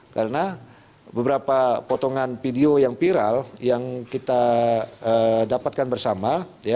karena beberapa potongan video yang viral yang kita dapatkan bersama